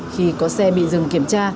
khi có xe bị dừng kiểm tra